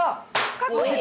かっこいい！